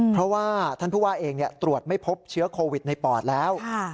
เพราะว่าท่านผู้ว่าเองตรวจไม่พบเชื้อโควิดในปอดแล้ว